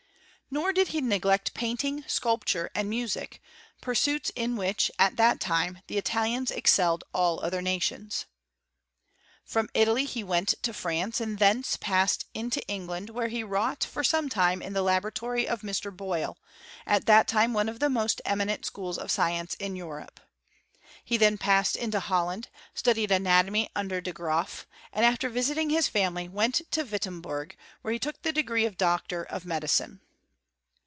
Nor did he neglect painting, sculpture, and music ; pur^ suits in which, at that time, the Italians excelled aU other nations. From Italy he went to France, and thence passed into England, where he wrought for some time in the laboratory of Mr. Boyle, at that time one of the most eminent schools of science in Europe. He then passed into Holland, studied anatomy under De. Graaf, and after visiting his family, went to Wittem* berg, where he took fiie degree of doctor of me dicine.